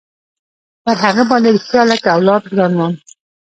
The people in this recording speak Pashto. پر هغه باندې رښتيا لکه اولاد ګران وم.